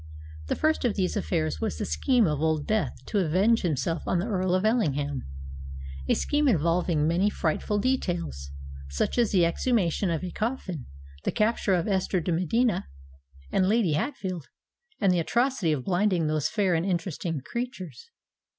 The first of these affairs was the scheme of Old Death to avenge himself on the Earl of Ellingham,—a scheme involving many frightful details, such as the exhumation of a coffin, the capture of Esther de Medina and Lady Hatfield, and the atrocity of blinding those fair and interesting creatures.